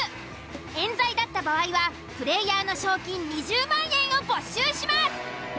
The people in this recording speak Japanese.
冤罪だった場合はプレイヤーの賞金２０万円を没収します。